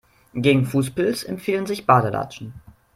Gegen Fußpilz empfehlen sich Badelatschen.